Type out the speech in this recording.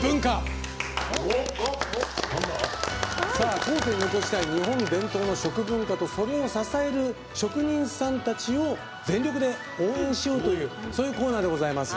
後世に残したい日本伝統の食文化とそれを支える職人さんたちを全力で応援しようというそういうコーナーでございます。